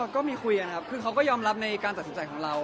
ก็มีคุยกันครับคือเขาก็ยอมรับในการตัดสินใจของเรา